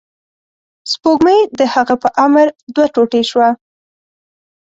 سپوږمۍ د هغه په امر دوه ټوټې شوه.